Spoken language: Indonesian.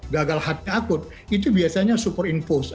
gagal hati akut itu biasanya superimposed